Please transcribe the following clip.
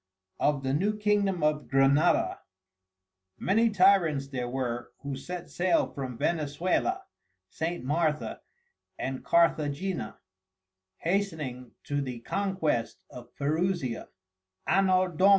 Of the New Kingdom of Granada Many Tyrants there were, who set Sail from Venecuela, St. Martha, and Carthagena, hastening to the Conquest of Perusia, Anno Dom.